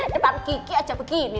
tempat gigi aja begini